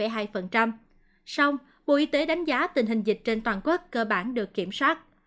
song bộ y tế đánh giá tình hình dịch trên toàn quốc cơ bản được kiểm soát